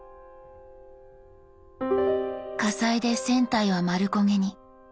火災で船体は丸焦げに。